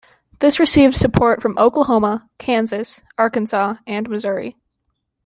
This received support from Oklahoma, Kansas, Arkansas, and Missouri.